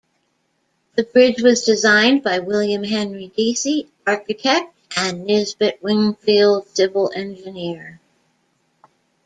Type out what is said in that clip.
The bridge was designed by William Henry Deacy, architect and Nisbet Wingfield, civil engineer.